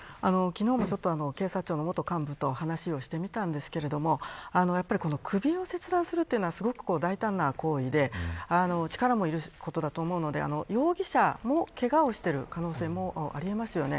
昨日も警察庁の元幹部と話をしてみたんですけれどもやっぱり首を切断するというのはすごく大胆な行為で力もいることだと思うので容疑者もけがをしている可能性もありますよね。